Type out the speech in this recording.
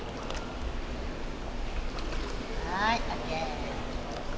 はいＯＫ。